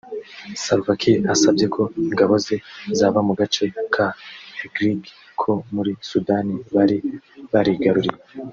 Salva Kiir asabye ko ingabo ze zava mu gace ka Heglig ko muri Sudan bari barigaruriye